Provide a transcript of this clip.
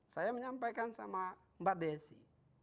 saya menyampaikan sama mbak desi